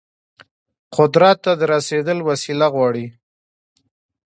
قدرت ته د رسیدل وسيله غواړي.